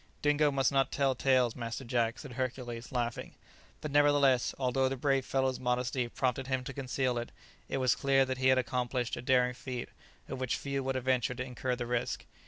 "Dingo must not tell tales, Master Jack," said Hercules, laughing. But, nevertheless, although the brave fellow's modesty prompted him to conceal it, it was clear that he had accomplished a daring feat, of which few would have ventured to incur the risk.